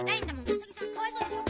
うさぎさんかわいそうでしょ。